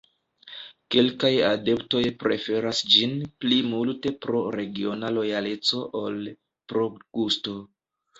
Kelkaj adeptoj preferas ĝin pli multe pro regiona lojaleco ol pro gusto.